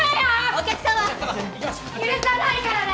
お客様許さないからね・